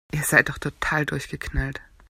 Ihr seid doch total durchgeknallt!